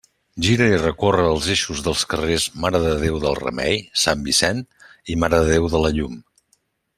Gira i recorre els eixos dels carrers Mare de Déu del Remei, Sant Vicent i Mare de Déu de la Llum.